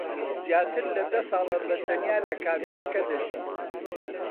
زیاتر لە دە ساڵە بەتەنیا لە کابینەکە دەژی.